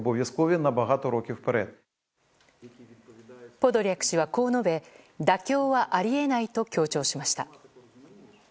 ポドリャク氏は、こう述べ妥協はあり得ないと強調しました。